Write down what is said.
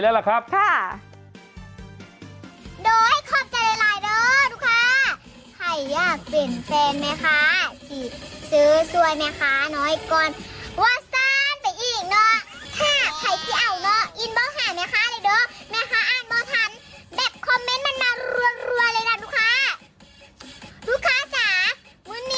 จัดกระบวนพร้อมกัน